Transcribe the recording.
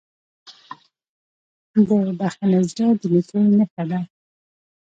د بښنې زړه د نیکۍ نښه ده.